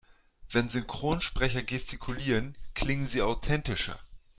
Wenn Synchronsprecher gestikulieren, klingen sie authentischer.